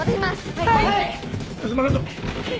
はい。